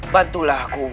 bantulah aku uang